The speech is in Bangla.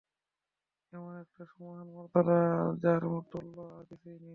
এমন একটা সুমহান মর্যাদা যার তুল্য আর কিছুই নেই।